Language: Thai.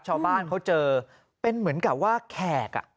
ชาวบ้านเขาเจอเป็นเหมือนกับว่าแขก